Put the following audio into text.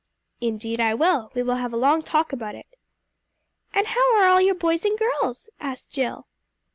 "Indeed, I will. We will have a long talk about it." "And how are all your boys and girls?" asked Jill.